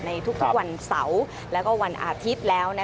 ในทุกวันเสาร์และวันอาทิตย์แล้ว